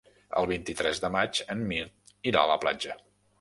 El vint-i-tres de maig en Mirt irà a la platja.